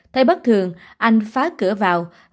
thay bất thường anh phá cửa vào